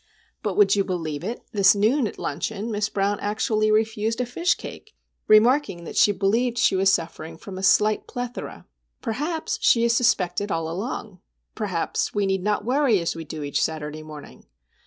But,—would you believe it?—this noon at luncheon Miss Brown actually refused a fishcake, remarking that she believed she was suffering from "a slight plethora"! Perhaps she has suspected all along?—perhaps we need not worry as we do each Saturday morning?